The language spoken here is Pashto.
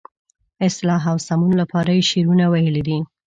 اصلاح او سمون لپاره یې شعرونه ویلي دي.